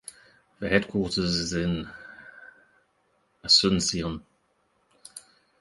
The headquarters is in Asuncion.